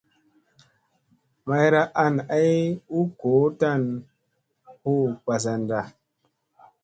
Mayra an ay u goo tan huu mbazanda.